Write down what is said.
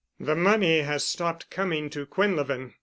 "The money has stopped coming to Quinlevin.